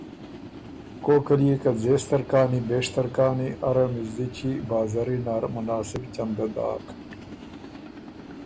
کوک ال يې که ځېستر کانی بېشتر کانی اره مِزدِچی، بازری نر مناسب چنده داک